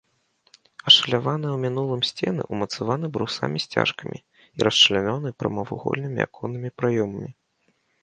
Ашаляваныя ў мінулым сцены ўмацаваны брусамі-сцяжкамі і расчлянёны прамавугольнымі аконнымі праёмамі.